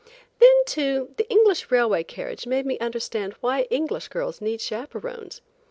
Then too, did the English railway carriage make me understand why English girls need chaperones.